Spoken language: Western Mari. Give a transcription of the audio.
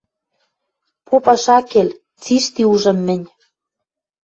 «Попаш ак кел, цишти ужым мӹнь.